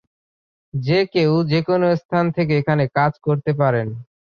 যে-কেউ যেকোনো স্থান থেকে এখানে কাজ করতে পারেন।